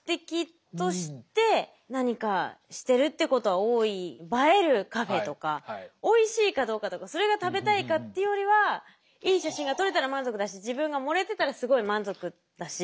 でも確かに映えるカフェとかおいしいかどうかとかそれが食べたいかってよりはいい写真が撮れたら満足だし自分が盛れてたらすごい満足だし。